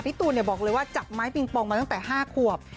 ตูนบอกเลยว่าจับไม้ปิงปองมาตั้งแต่๕ขวบ